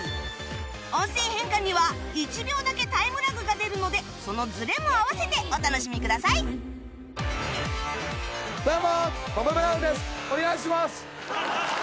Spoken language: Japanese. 音声変換には１秒だけタイムラグが出るのでそのずれも合わせてお楽しみください似てる。